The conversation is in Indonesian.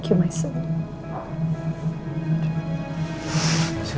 terima kasih misha